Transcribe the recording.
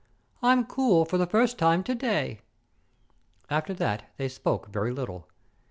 "I'm cool for the first time to day." After that they spoke very little.